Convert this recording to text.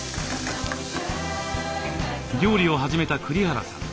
料理を始めた栗原さん。